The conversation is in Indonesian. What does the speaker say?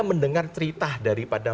mendengar cerita daripada